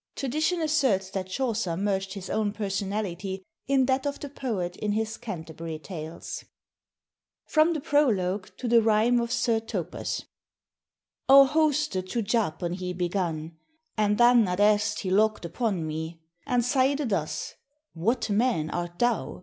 Tradition asserts that Chaucer merged his own personality in that of the Poet in his Canterbury Tales. [Sidenote: Prologue to The Rime of Sire Thopas.] "... Our Hoste to japen he began, And than at erst he loked upon me, And saide thus; 'What man art thou?